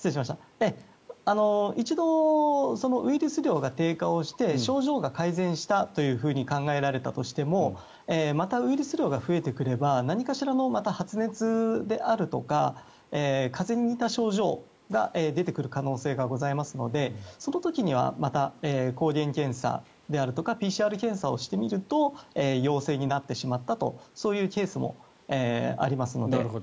一度ウイルス量が低下をして症状が改善したというふうに考えられたとしてもまたウイルス量が増えてくれば何かしらの発熱であるとか風邪に似た症状が出てくる可能性がありますのでその時には抗原検査であるとかＰＣＲ検査をしてみると陽性になってしまったとそういうケースもありますので。